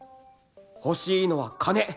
欲しいのは金！